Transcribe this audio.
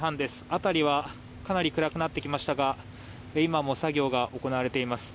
辺りはかなり暗くなってきましたが今も作業が行われています。